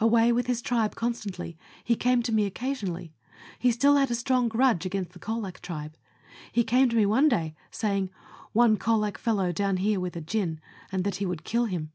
Away with his tribe constantly, he came to me occasionally; he still had a strong grudge against the Colac tribe ; he came to me one day saying, " One Colac fellow down here with a gin," and that he would kill him.